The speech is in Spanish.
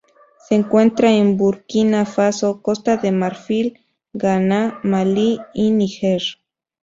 Se encuentra en Burkina Faso, Costa de Marfil, Ghana, Malí y Níger.